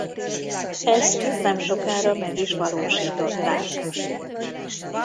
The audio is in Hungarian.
Ezt nemsokára meg is valósították.